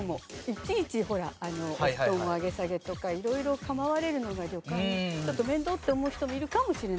いちいちほら布団の上げ下げとか色々構われるのが旅館ちょっと面倒って思う人もいるかもしれないと。